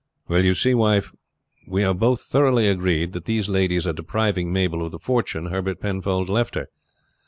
"Well, you see, wife, we are both thoroughly agreed that these ladies are depriving Mabel of the fortune Herbert Penfold left her.